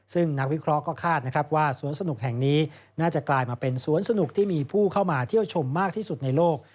ซึ่งนักวิเคราะห์ก็คาดนะครับว่าสวนสนุกแห่งนี้น่าจะกลายมาเป็นสวนสนุกที่มีผู้เข้ามาเที่ยวชมมากที่สุดในโลก